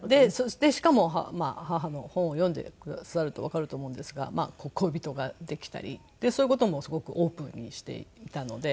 しかも母の本を読んでくださるとわかると思うんですが恋人ができたりそういう事もすごくオープンにしていたので。